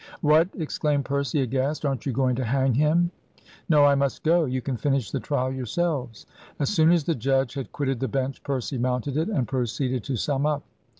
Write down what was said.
"What!" exclaimed Percy, aghast, "aren't you going to hang him?" "No, I must go. You can finish the trial yourselves." As soon as the judge had quitted the bench, Percy mounted it, and proceeded to sum up.